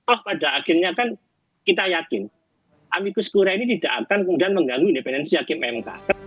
oh pada akhirnya kan kita yakin amikus kura ini tidak akan kemudian mengganggu independensi hakim mk